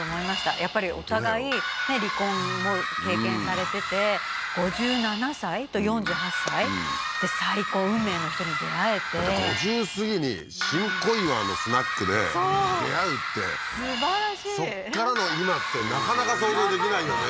やっぱりお互いねえ離婚も経験されてて５７歳と４８歳で再婚運命の人に出会えてだって５０過ぎに新小岩のスナックで出会うってすばらしいそっからの今ってなかなか想像できないよね